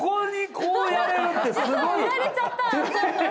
売られちゃった！